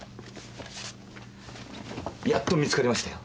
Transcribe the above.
やっと見つかりましたよ。